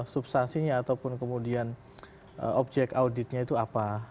substansinya ataupun kemudian objek auditnya itu apaheeya anggmiyor